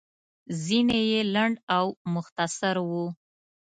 ځينې يې لنډ او مختصر وو.